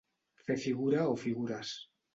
Fer figura o figures.